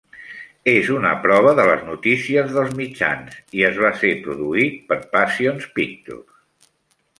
És una prova de les noticies dels mitjans i es va ser produït per Passion Pictures.